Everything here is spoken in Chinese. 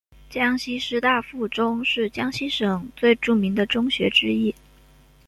江西师大附中是江西省最著名的中学之一。